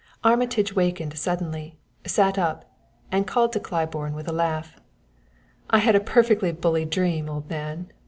Armitage wakened suddenly, sat up and called to Claiborne with a laugh: "I had a perfectly bully dream, old man.